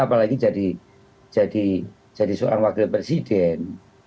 apalagi jadi seorang wakil presiden